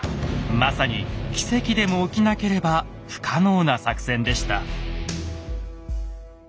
まさに奇跡でも起きなければ不可能な作戦でした。